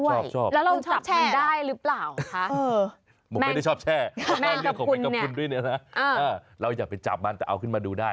แล้วก็ไปดูเจ้ามันกระพุนน้ำจืดนี้ด้วย